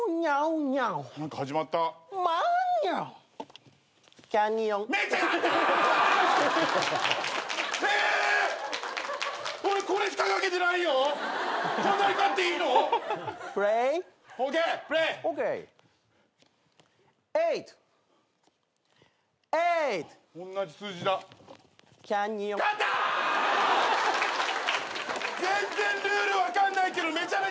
全然ルール分かんないけどめちゃめちゃ増えてる！